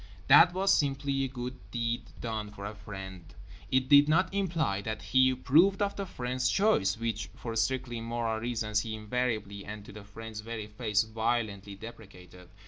That was simply a good deed done for a friend; it did not imply that he approved of the friend's choice, which for strictly moral reasons he invariably and to the friend's very face violently deprecated.